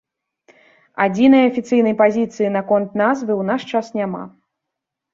Адзінай афіцыйнай пазіцыі наконт назвы ў наш час няма.